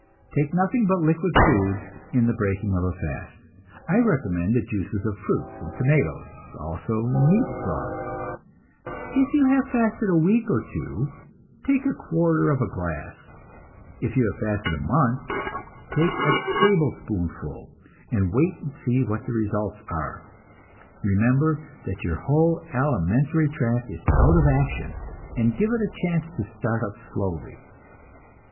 Take nothing but liquid foods in the breaking of a fast; I recommend the juices of fruits and tomatoes, also meat broths. If you have fasted a week or two, take a quarter of a glass; if you have fasted a month, take a tablespoonful, and wait and see what the results are. Remember that your whole alimentary tract is out of action, and give it a chance to start up slowly.